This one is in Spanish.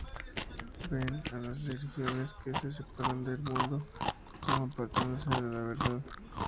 Ven a las religiones que se separan del mundo como apartándose de la verdad.